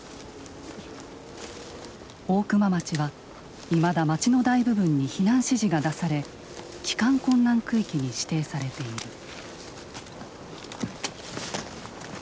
大熊町はいまだ町の大部分に避難指示が出され帰還困難区域に指定されている。